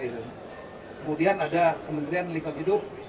kemudian ada kementerian lingkungan hidup